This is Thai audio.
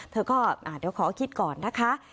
เธอก็เดี๋ยวขอคิดก่อนนะคะ